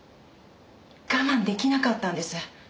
我慢出来なかったんです。